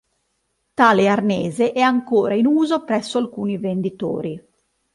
Tale arnese è ancora in uso presso alcuni venditori.